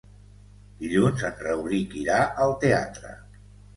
Dilluns en Rauric irà al teatre.